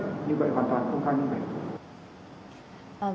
như vậy hoàn toàn không khai minh bạch